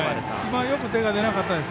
よく手が出なかったです。